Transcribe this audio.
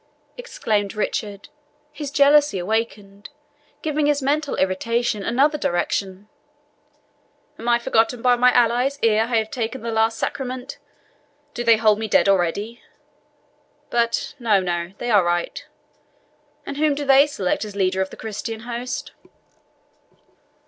"Ha!" exclaimed Richard, his jealousy awakened, giving his mental irritation another direction, "am I forgot by my allies ere I have taken the last sacrament? Do they hold me dead already? But no, no, they are right. And whom do they select as leader of the Christian host?"